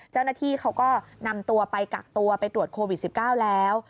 เจ้าหน้าที่เขาก็นำตัวไปกักตัวไปตรวจโควิด๑๙แล้ว